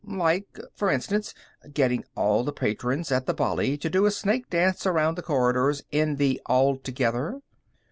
"Like, for instance, getting all the patrons at the Bali to do a snake dance around the corridors in the altogether.